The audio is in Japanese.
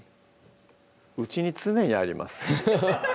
うちに常にあります